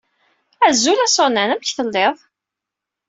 Azul a Susan. Amek telliḍ?